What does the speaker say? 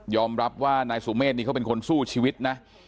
รับว่านายสุเมฆนี่เขาเป็นคนสู้ชีวิตนะ